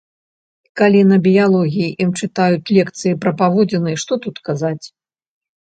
Калі на біялогіі ім чытаюць лекцыі пра паводзіны, што тут казаць?